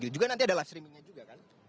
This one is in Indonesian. juga nanti ada live streamingnya juga kan